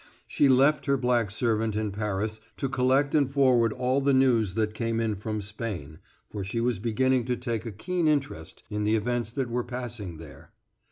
She left her black servant in Paris to collect and forward all the news that came in from Spain, for she was beginning to take a keen interest in the events that were passing there.